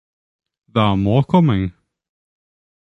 There are more coming!